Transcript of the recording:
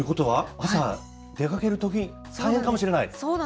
朝、出かけるとき、大変かもしれない。